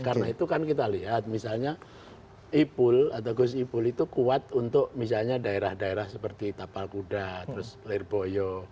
karena itu kan kita lihat misalnya ipul atau gus ipul itu kuat untuk misalnya daerah daerah seperti tapal kuda lirboyo